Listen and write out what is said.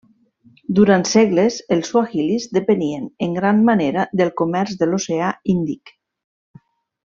Durant segles, els suahilis depenien en gran manera del comerç de l'Oceà Índic.